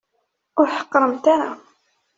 Ur ḥeqqremt ara.